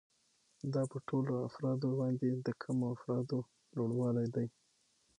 دا په ټولو افرادو باندې د کمو افرادو لوړوالی دی